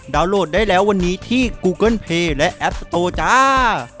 โหลดได้แล้ววันนี้ที่กูเกิ้ลเพลย์และแอปสโตจ้า